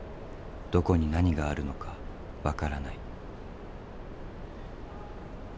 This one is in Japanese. どこに何があるのか分からない。